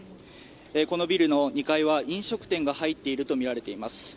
このビルの２階は飲食店が入っているとみられています。